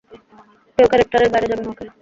কেউ ক্যারেক্টারের বাইরে যাবে না, ওকে?